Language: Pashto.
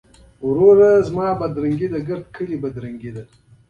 نا انډولتیا نوره هم پراخه کړه.